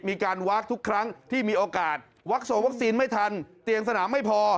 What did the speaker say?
มีการวาคทุกครั้งที่มีโอกาสวักโซวัคซีนไม่ทันเตียงสนามไม่พอ